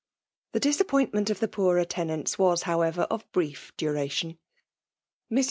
The disappointment of the x>oorer tenants was> however, of brief duration. Mrs.